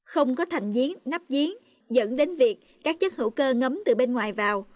không có thành giếng nắp giếng dẫn đến việc các chất hữu cơ ngấm từ bên ngoài vào